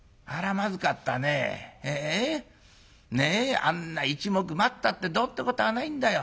あんな一目待ったってどうってことはないんだよ。